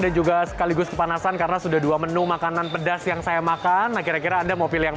digus kepanasan karena sudah dua menu makanan pedas yang saya makan akhir akhir ada mobil yang